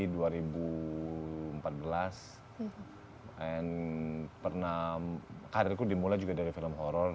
dan karierku dimulai juga dari film horror